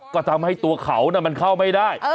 ก็ทำให้ตัวเขามันเข้าไม่ได้